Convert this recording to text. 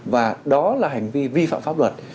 và đó là hành vi vi phạm pháp luật